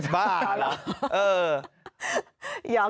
บ้าหรอเออ